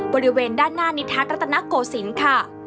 บริเวณด้านหน้านิทัศนรัตนโกศิลป์ค่ะ